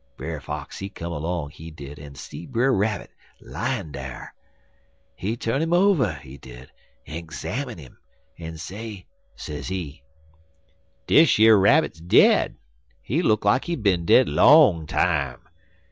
Brer Fox he come 'long, he did, en see Brer Rabbit layin' dar. He tu'n 'im over, he did, en 'zamine 'im, en say, sezee: "'Dish yer rabbit dead. He look like he bin dead long time.